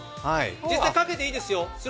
実際かけていいですよ。